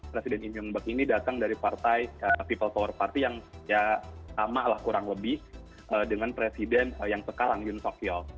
presiden lee myung buk ini datang dari partai people power party yang sama kurang lebih dengan presiden yang sekarang yoon seok hyo